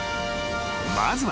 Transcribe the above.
［まずは］